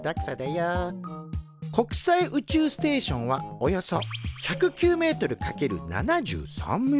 国際宇宙ステーションはおよそ１０９ｍ×７３ｍ。